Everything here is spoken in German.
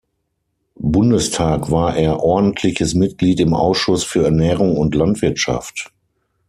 Bundestag war er ordentliches Mitglied im Ausschuss für Ernährung und Landwirtschaft.